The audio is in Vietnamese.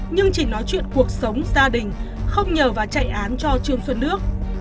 nhưng chỉ nói chuyện cuộc sống gia đình không nhờ và chạy án cho trương xuân nước